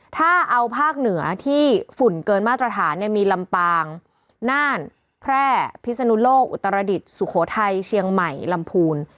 ถ้าเอาภาคเหนือที่ฝุ่นเกินมาตรฐานเนี่ยมีลำปางน่านแพร่พิศนุโลกอุตรดิษฐ์สุโขทัยเชียงใหม่ลำพูน